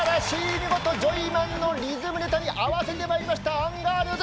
見事ジョイマンのリズムネタに合わせてまいりましたアンガールズ！